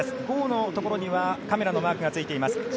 郷のところにはカメラのマークがついています。